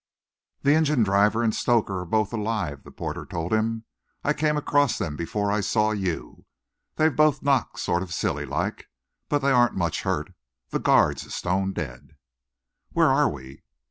"The engine driver and stoker are both alive," the porter told him. "I came across them before I saw you. They're both knocked sort of sillylike, but they aren't much hurt. The guard's stone dead." "Where are we?"